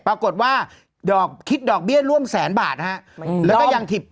ปรากฏว่าดอกคิดดอกเบี้ยร่วมแสนบาทนะฮะแล้วก็ยังถิบ